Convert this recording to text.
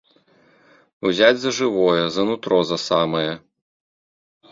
Узяць за жывое, за нутро за самае!